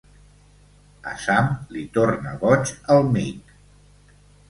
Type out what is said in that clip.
Al Sam li torna boig el Mick.